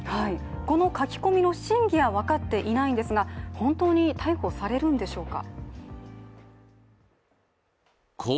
この書き込みの真偽は分かっていないんですが本当に逮捕されるんでしょうか。